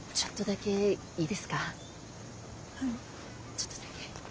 ちょっとだけ。